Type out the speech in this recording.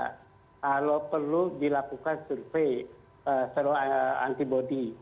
kalau perlu dilakukan survei antibody